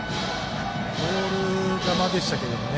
ボール球でしたけどね